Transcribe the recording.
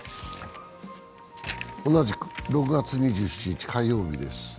同じく６月２７日火曜日です。